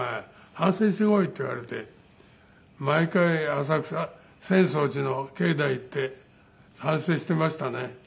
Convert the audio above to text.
「反省してこい」って言われて毎回浅草浅草寺の境内行って反省していましたね。